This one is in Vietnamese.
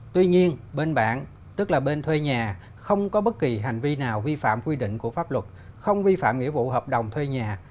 tuy nhiên bên bạn tức là bên thuê nhà không có bất kỳ hành vi nào vi phạm quy định của pháp luật không vi phạm nghĩa vụ hợp đồng thuê nhà